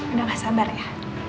udah gak sabar ya